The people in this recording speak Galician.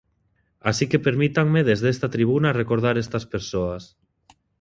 Así que permítanme desde esta tribuna recordar estas persoas.